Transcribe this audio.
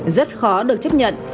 rất khó được chấp nhận